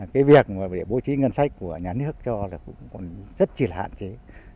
cái việc để bố trí ngân sách của nhà nước cho là cũng rất chỉ là hạn chế